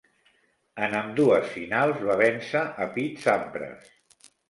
En ambdues finals, va vèncer a Pete Sampras.